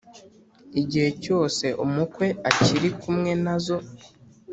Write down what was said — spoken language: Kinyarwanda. igihe cyose umukwe akiri kumwe na zo